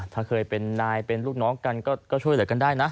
ถ้าเคยเป็นนายเป็นลูกน้องกันก็ช่วยเหลือกันได้นะ